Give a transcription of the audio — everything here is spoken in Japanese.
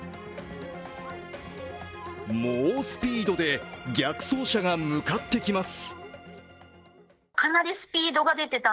猛スピードで逆走車が向かってきます。